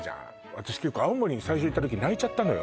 私結構青森に最初行った時泣いちゃったのよ